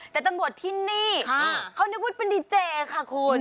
แต่ตำรวจที่นี่เขานึกว่าเป็นดีเจค่ะคุณ